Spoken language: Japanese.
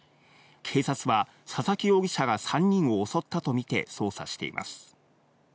警察は佐々木容疑者が３人を襲ったとみて捜査しています。